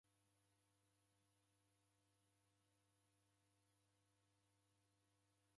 Wagalie mzinyi kumanyira w'andu w'ape hali.